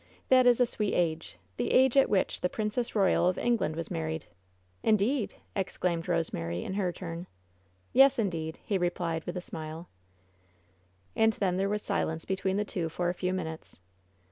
That is a sweet age — the age at which the Princess Royal of Eng land was married!" "Indeed!" eclaimed Rosemary, in her tun. "Yes, indeed!" he replied, with a smile. I 84 WHEN SHADOWS DIE And then there was silence between the two for a few minutes.